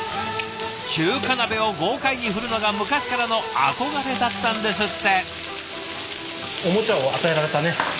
中華鍋を豪快に振るのが昔からの憧れだったんですって。